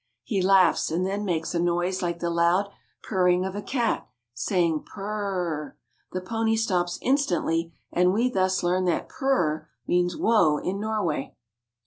He laughs, and then makes a noise like the loud purring of a cat, saying pur r r. The pony stops instantly, and we thus learn that pur r r means whoa in Norway.